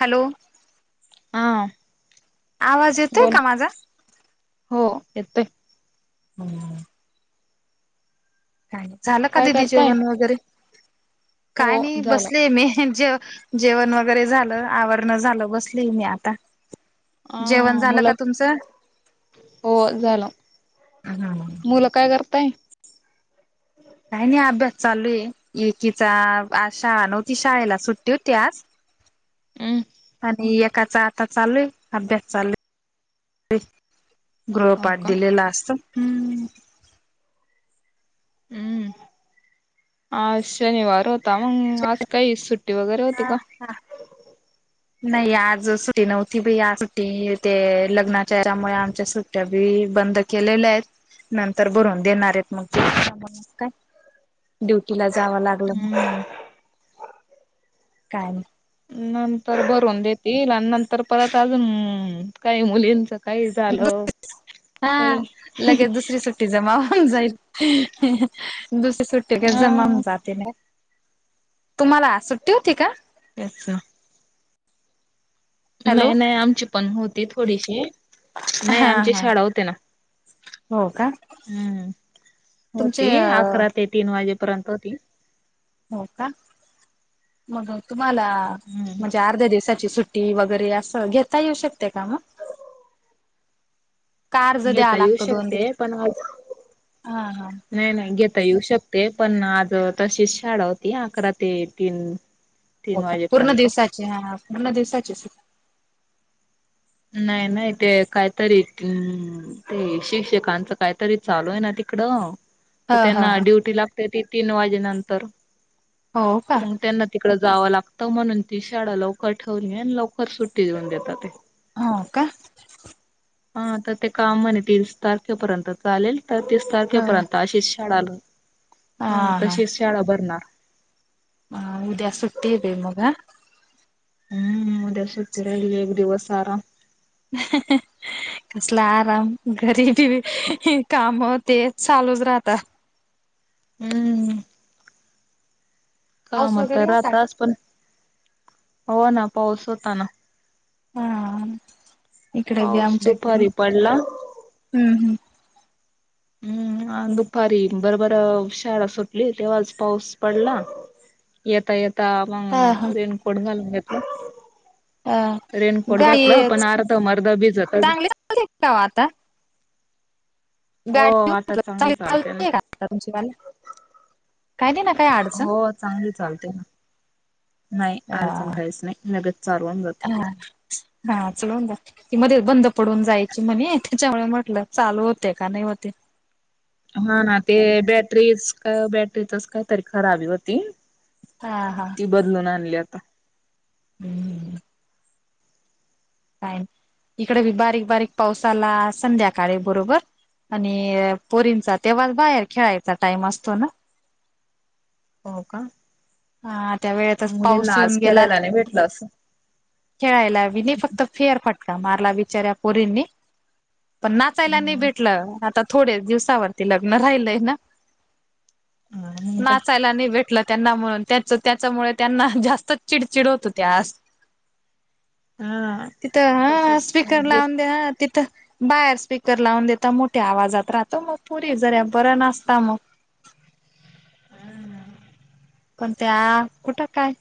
Hello हा आवाज येतोय बोला का माझा हो येतय हम्म काय नाही झालं का काय दिीदी करताय जेवण वगैरे हो काय नाही झालं बसले मी जे जेवण वगैरे झालं आवरण झालं बसली मी आता हा जेवण झालं मुला का तुमचं हो झालं मुल काय करताय काही नाही अभ्यास चालू आहे एकीचा शाळा नव्हती शाळेला सुटते होती आज हम् आणि एकाचा आता चालू आहे अभ्यास चालू आहे ते हो गृहपाठ का दिलेला असत हम् हम्मआज शनिवार हो होती त्या मग आज काही सुट्टी वगैरे होती का हा नाही आज सुट्टी नव्हती बाई आज सुट्टी ते लग्नाच्या यामुळे आमच्या सुट्टी त्या बी बंद केलेल्या आहेत नंतर भरून देणार आहेत मग का ड्युटी ला जांव लागत हम्म. काय नाय. नंतर भरवून देतील. आणि नंतर परत अजून. काही मुलींच काही नाही. झालं. काही सुटी जमा जाईल. दुसरी सुुट्टी काय जमा होउन हा जाते ना. तुम्हाला आज सुट्टी होती का? तेच ना. हॅलो नाही नाही. आमची पण होती थोडीशी. नाही हा आमची हा शाळा होती ना. हो का हम्म. तुमचे होती. अकरा ते तीन वाजेपर्यंत होती. हो का? मग तुम्हाला. म्हणजे हम्म आ अर्ध्या दिवसाची सुट्टी वगैरे असं. घेता येऊ शकते का मग? का अर्ज द्यावा घेता येऊ लागतो. दोन शकते दिवस. पण आज ह ह. नाही नाही घेता येऊ शकते. पण आज तशीच शाळा होती. अकरा ते तीन. हो तीन का? पूर्ण वाजेपर्यंत दिवसाची. हा पूर्ण दिवसाची सुट्टी. नाही नाही ते कायतरी अम्म. ते शिक्षकांचं काहीतरी चालू आहे ना. तिकडं. त हा हा त्यांना हा ड्युटी लागते ती. तीन वाजे नंतर. हो का त मग त्यांना तिकड जावं लागतं. म्हणून ती शाळा लवकर ठेवलीये. आणि लवकर सुट्टी देऊन देतात ते. हो काे? हा त ते काम म्हणे. तीस तारखेपर्यंत चालेल. तीस हा तारखेपर्यंत अशीच शाळा. ह. हा तशीच शाळा भरणार. ह उद्या सुट्टी य बई मग ह. हम्म. उद्या सुट्टी राहील. एक दिवस आराम. ह [unintelligible] कसला आराम. घरीबी काम ते चालूच राहतात. हम्म. पाऊस काम त वगैरे होता राहताच. का पण हो ना. पाऊस होता ना. हा. इकड बी. पाऊस आमच्याकडे बी. दुपारी पडला हम्म हम्म. हम्म. दुपारी बर बर शाळा सुटली. तेव्हाच पाऊस पडला. येता येता मग. हा हा. रेनकोट घालून घेतलं. अ रेनकोट गाडी घातला. पण अर्धा मार्ध भिजतच. [unintelligible] आता. हो गाडी आता चांगली चालते ना चा तुमची काही नाही ना [unintelligible] हो चांगली चालते ना. नाही. अडचण हा काहीच नाही. लगेच चालू होवून जाते. हा हा चलून द्या. ती मध्ये बंद पडून जायची म्हणे. त्याच्यामुळे म्हटलं चालू होते का? नाही होते. हा ना. ते बॅटरीच. बॅटरीतच काहीतरी खराबी होती. हा हा. ती बदलून आणली आता. हम्म [unintelligible] काय, इकडे बी बारीक बारीक पावस आला. संध्याकाळी बुरबुर. आणि पोरींचा तेव्हा बाहेर खेळायचा टाइम असतो ना. हो का? हा त्या वेळेतच मुलींना पाऊस येऊन आज गेला खेळायला नाही भेटलं अस. खेळायला बी नही. फक्त फेअर फटका मारला. बिचार्या पोरीनी. पण नाचायला नाही हम्म भेटलं. आता थोडे्च दिवसावरती लग्न राहिलय ना. काय नाचायला नाही भेटलं. त्यांना. म्हणून त्याच त्याच्यामुळे त्यांना जास्तच चिडचिड होत होती. आज. हम्म. तिथं हा. स्पीकर लावून द्या. ह. तिथं. बास स्पीकर लावून देता मोठ्या आवाजात राहतो मग, पोरी जरा बऱ्या नाचता मग. पण त्या कुठं काय?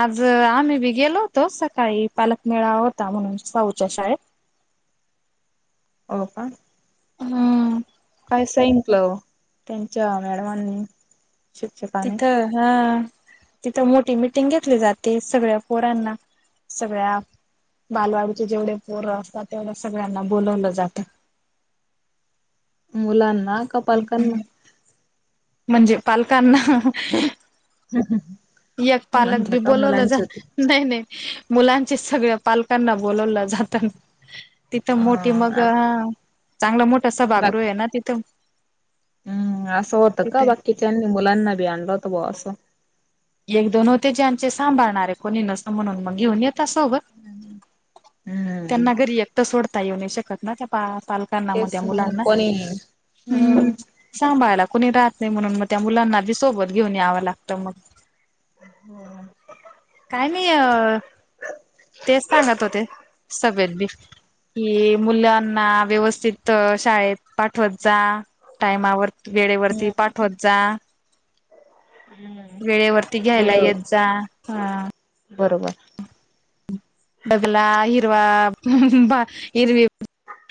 आज आम्ही बी गेलो होतो सकाळी पालकमेळावा होता म्हणून साऊूच्या शाळेत. हो का? हम्म. काय सांगितलं? त्यांच्या मॅडमांनी. शिक्षकाने तिथं हा. तिथं मोठी मिीटिंग घेतली जाते. सगळ्या पोरांना सगळ्या- बालवाडीचे जेवढे पोरं असतात तेवढ सगळ्यांना बोलवलं जातं. मुलांना. का पालकांना म्हणजे पालकांना- [unintelligible] एक पालक म्हंटलं बी का बोलवलं जा- मुलांची होती नाही नाही. मुलांचे सगळ्या पालकांना बोलावलं जातं. तिथं मोठी मग, ह ह. चांगल मोठ सभागृह आहे ना तिथं? हम. असं होतं का? तिथे बाकीच्यानी मुलांना बी आणलं होत बुवा असं. एक दोन होते. ज्यांचे सांभाळणारे कोणी नसत म्हणून मग घेऊन येेता सोबत. हम्म त्यांना घरी एकटं सोडता येऊ नाही शकत ना? त्या पाल- कांना म तेच त्या ना मुलांना. कोणी हम्म सांभाळायला कुणी राहत नाही म्हणून मग त्या मुलांना बी सोबत घेऊन यावं लागतं मग. होय. काय नाही. अ तेच सांगत होते सभेत बी. कि मुलांना व्यवस्थित शाळेत पाठवत जा. टायमावर- वेळेवरती हम्म पाठवत जा. वेळेवर- घ्यायला वेळ येत जा. हां. बरोबर. बगला इरवा इरवी.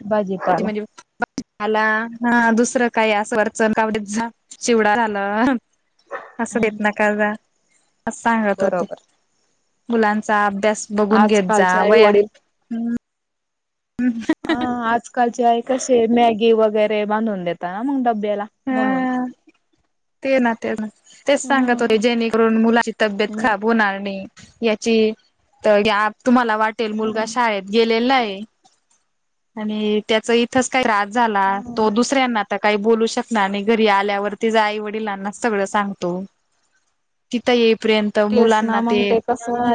बाजे. म्हणजेला हा दुसरं काय असं वर्चण कावडेत जा. चिवडा झाला. असं हम्म देत नका जा. अस सांगत होते. बरोबर मुलांचा अभ्यास- बघून घेत जा आजकालचे आई वह्या वडील - आं. आजकालचे आई कसे मॅगी वगैरे बांधून देता ना मग डब्याला? म्हणून. ह ते ना. ते ना. तेच सांगत होते हम्म जेणेकरून मुलांची तब्येत मग खराब होणार नाही. याची. तुम्हाला वाटेल मुलगा हम्म शाळेत- गेलेला आहे. आणि त्याच इथच काही त्रास झाला. तो दुस- ऱ्यांना तर काही बोलू शक - णार नाही. घरी आल्यावरतीच आई वडिलांना सगळं सांगतो. तिथं येईपर्यंत- त तेच ना मुलांना मग ते- कसं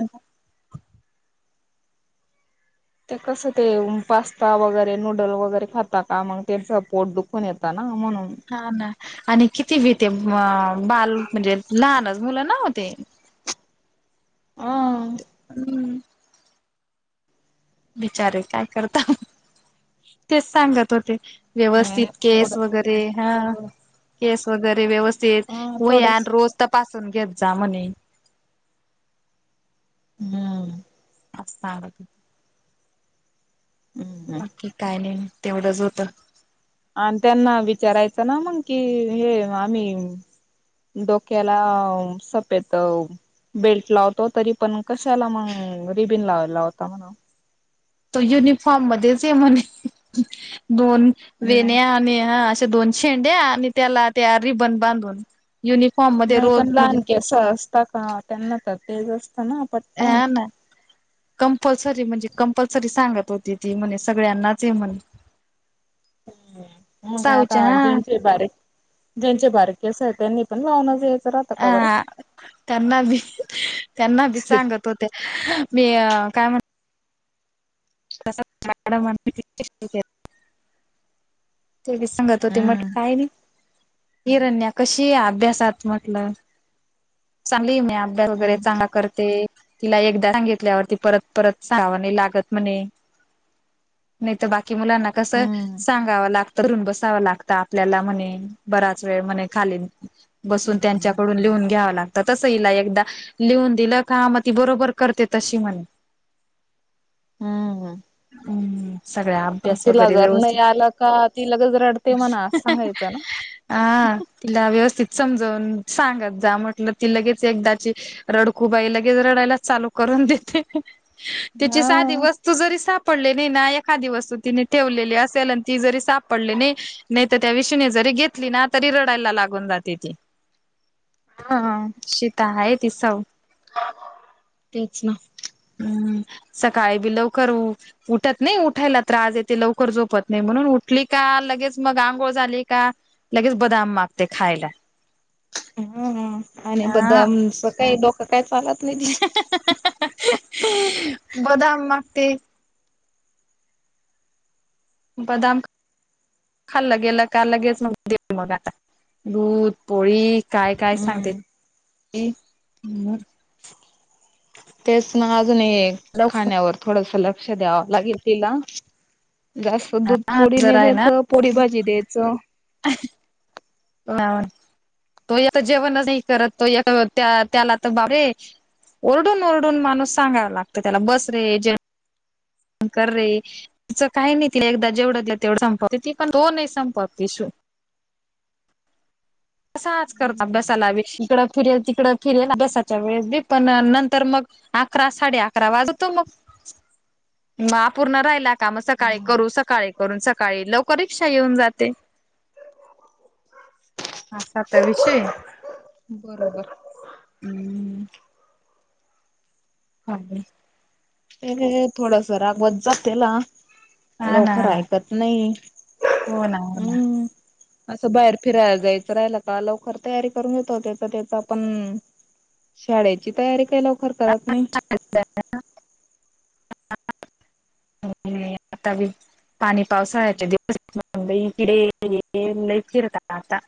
ते कसं ते? पास्ता वगैरे नूडल वगैरे खाता का? मग त्यांचं पोट दुखून येत ना म्हणून. हा ना, आणि किती बी ते बाल म्हणजे लहानच मुलं ना होते. ह. हम्म. बिचारे! काय करता? तेच सांगत होते. नाही व्यवस्थित नाही थोडं केस वगैरे- हा. थोडं केस वगैरे व्यवस्थित हा वह्या थोडंच रोज- तपासून घेत जा म्हणे. हम्. [unintelligible] हम्म बाकी काय नाही, तेवढंच होतं. आणि त्यांना विचारायचं ना, मग कि हे आम्ही डोक्याला सपेत बेल्ट लावतो, तरी पण कशाला मग रिबीन लावला होता म्हण? तो युनिफॉर्म मध्येच हे म्हणे, दोन नाही वेण्या [unintelligible] अशे दोन शेंड्या, आणि त्याला त्या रिबन बांधून युनिफॉर्म मध्ये नाही पण रोज म्हणजे लहान केस असतात ना, त्यांना तर तेज असतं ना पण हा ना. कंपल्सरी, म्हणजे कंपल्सरी, सांगत होती ती म्हणे सगळ्यांनाच आहे म्हण हम्म! साऊच्या [unintelligible] हा जेंची बारी ज्यांचे बारक केस आहेत, त्यांनी पण लावूनच यायचं का बरं ह, त्यांना बी, त्यांना बी, सांगत ते काय म्हण [unintelligible] [inaudible] [unintelligible] सांगत होते, म्हट हम्म काय नाही हिरण्या कशी अभ्यासात म्हटलं चांगली [unintelligible] अभ्यास वगैरे चांगला करते. तिला एकदा सांगितल्यावरती परत परत सांगाव लागत म्हणे नाही तर बाकी मुलांना कस हम्म सांगावं लागत [unintelligible] बसावा लागत आपल्याला म्हणे, बराच वेळ म्हणे खाली बसून त्यांच्याकडून लिहून घ्यावं लागत. तस हला एकदा लिहून दिलं, का मग ती बरोबर करते तशी म्हणे हम्! हम्म सगळ्या अभ्यास वगैरे व्यवस्थित, आलं का ती लगेच रडते म्हणा असं सांगायचं ना हा तिला व्यवस्थित समजवून सांगत जा म्हटलं ती लगेच एकदाची रडखूबाई लगेच रडायला चालू करूनदे. तीची साधीवस वस्तू जरी सापडले नाही ना, एखादी वस्तू तिने ठेवलेली असेल आणि ती जरी सापडले नाही नाही तर त्या विषने जरी घेतली ना, तरी रडायला लागून जाते ती हा. श्वेता आहे, ति सव तेच ना हम्म! सकाळी बि लवकर उठत नाही, उठायला त्रास देते, लवकर झोपत नाही, म्हणून उठली का? लगेच मग आंघोळ झाली का? लगेच बदाम मागते खायला. हम! आणि अ बदाम [unintelligible] काही डोकं काय चालत नाही बदाम मागते बदाम खाल्लं गेलं का, लगेच मग ते मग आता दूध, पोळी, काय काय सांगते हम्म तेच ना अजूनही लवकर खाण्यावर थोडस लक्ष द्यावं लागेल तिला जास्त दूध, हा पोळी, ने जरा आहे ना द्यायचं, पोळी भाजी द्यायचं. [unintelligible] [inaudible] तो यता जेवणच नाही करत, तो त्याला तर बापरे ओरडून ओरडून मलाच सांगायला लागत त्याला, बस रे कर रे, तिचं काही नाही तिला एकदा जेवढतल्या तेवढ संपवत, पण तो नाही संपव [unintelligible] [unintelligible] करत अभ्यासाला, इकडं फिरेल तिकडं फिरेल अभ्यासाच्या वेळेस बी पण नंतर मग अकरा, साडे अकरा वाजवतो मग मग आपूर्ण राहिला का, मग सकाळी करू, सकाळी करून, सकाळी लवकर रिक्षा येऊन जाते. आपला विषय बरोबर हां. [unintelligible] े थोडस रागवत जा तेला लोक ना हा ना ऐकत नाही हो ना हो हम्म असं बाहेर फिरायला जायचं राहिल का लवकर तयारी करून येतो त्याच त्याच आपण शाळेची तयारी के लव खर करत नाही ना होता पाणी पावसाळ्याचे दिवस मुंबई किडे लई फिरत आता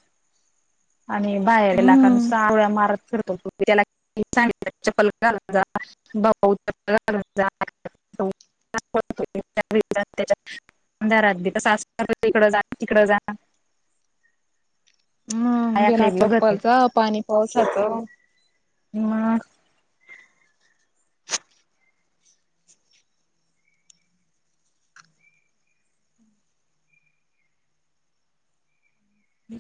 आणि बाहेरला कारण हम्म सावळ्या मारत फरतो त्याला पलकार जाबाऊ जा अधारात तस इकड जा तिकड जा ह काय बिना ऐकलंय बघत नाही चप्पलच पाणी पावसाचं मग ह